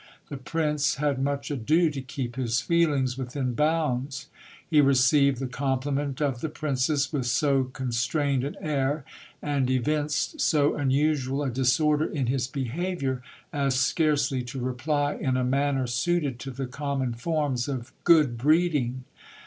The prince had much ado to keep his feelings within bounds. He received the compliment of the princess with so constrained an air, and evinced so unusual a disorder in his behaviour, as scarcely to reply in a manner suited to the common forms of good breeding.